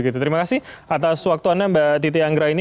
terima kasih atas waktu anda mbak titi anggra ini